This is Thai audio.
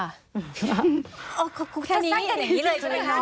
แสดงแบบนี้เลยใช่ไหมคะ